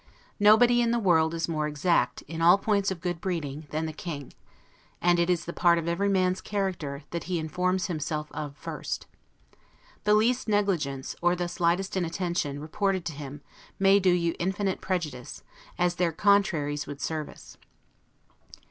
Nobody in the world is more exact, in all points of good breeding, than the King; and it is the part of every man's character, that he informs himself of first. The least negligence, or the slightest inattention, reported to him, may do you infinite prejudice: as their contraries would service.